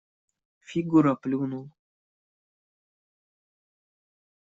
Фигура плюнул.